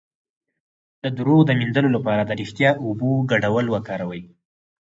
د دروغ د مینځلو لپاره د ریښتیا او اوبو ګډول وکاروئ